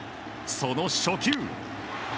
その初球。